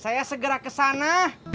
saya segera kesana